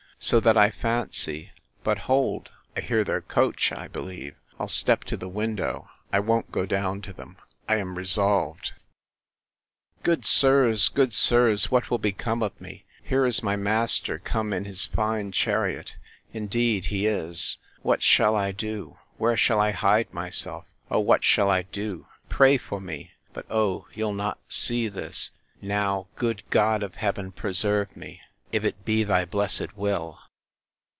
—So that I fancy—But hold! I hear their coach, I believe. I'll step to the window.—I won't go down to them, I am resolved— Good sirs! good sirs! What will become of me! Here is my master come in his fine chariot!—Indeed he is! What shall I do? Where shall I hide myself?—O! What shall I do? Pray for me! But oh! you'll not see this!—Now, good God of heaven, preserve me; if it be thy blessed will!